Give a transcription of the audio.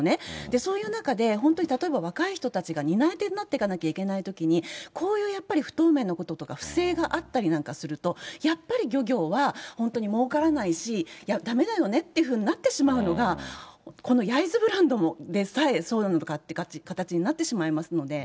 そういう中で、本当に例えば若い人たちが担い手になっていかなきゃいけないときに、こういうやっぱり、不透明なこととか、不正があったりなんかすると、やっぱり漁業は本当にもうからないし、だめだよねっていうふうになってしまうのが、この焼津ブランドでさえそうなのかっていう形になってしまいますので。